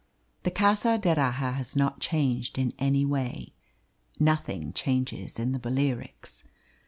The Casa d'Erraha has not changed in any way nothing changes in the Balearics.